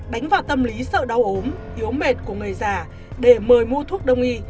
đánh vào tâm lý sợ đau ốm yếu mệt của người già để mời mua thuốc đông y